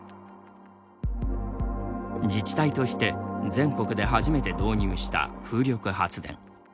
自治体として全国で初めて導入した風力発電。